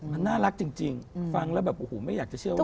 มันน่ารักจริงฟังแล้วแบบโอ้โหไม่อยากจะเชื่อว่า